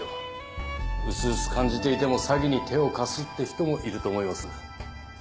うすうす感じていても詐欺に手を貸すって人もいると思います。